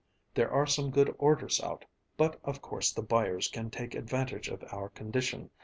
"There are some good orders out, but of course the buyers can take advantage of our condition.